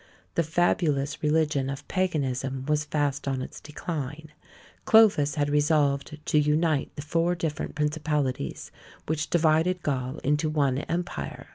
The fabulous religion of Paganism was fast on its decline; Clovis had resolved to unite the four different principalities which divided Gaul into one empire.